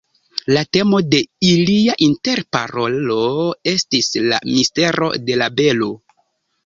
La temo de ilia interparolo estis la mistero de la belo.